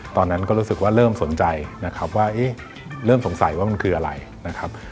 ตอนนั้นก็รู้สึกว่าเริ่มสนใจนะครับว่าเอ๊ะเริ่มสงสัยว่ามันคืออะไรนะครับ